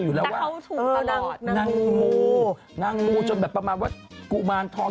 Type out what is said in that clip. โบ๊ทนางกวาดถือทอง